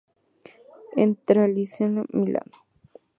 Internazionale Milano.